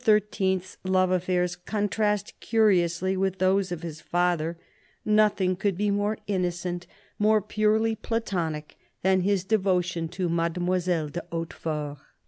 's love affairs contrast curiously with those of his father. Nothing could be more innocent, more purely THE CARDINAL 265 Platonic, than his devotion to Mademoiselle de Hautefort.